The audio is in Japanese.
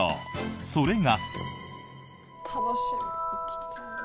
それが。